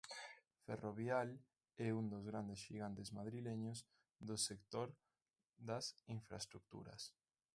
Ferrovial é un dos grandes xigantes madrileños do sector das infraestruturas.